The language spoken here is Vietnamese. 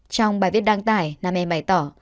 trong bài viết đăng tải nam em bày tỏ